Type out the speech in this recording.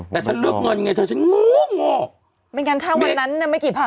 แต่ฉันเลือกเงินเงินเขาจะโก้